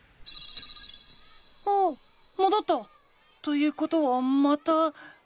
おおっもどった！ということはまた。